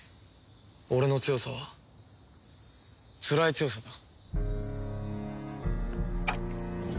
俺の強さはつらい強さだ。